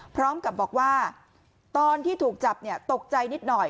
พร้อมกับบอกว่าตอนที่ถูกจับตกใจนิดหน่อย